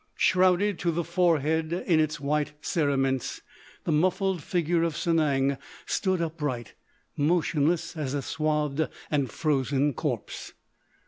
Shrouded to the forehead in its white cerements, the muffled figure of Sanang stood upright, motionless as a swathed and frozen corpse.